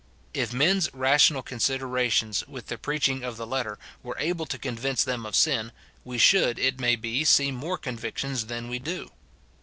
If men's rational considerations, with the preaching of the letter, were able to convince them of sin, we should, it may be, see more convictions than we do.